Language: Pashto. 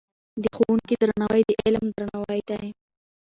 د ښوونکي درناوی د علم درناوی دی.